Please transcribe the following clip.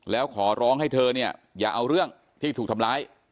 แล้วขอร้องให้เธอเนี่ยอย่าเอาเรื่องที่ถูกทำร้าย